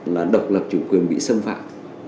là độc lập chủ quyền bị xâm phạm